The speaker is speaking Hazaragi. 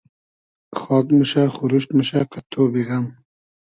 خاگ موشۂ خوروشت موشۂ قئد تۉبی غئم